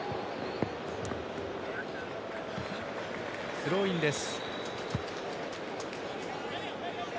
スローインです。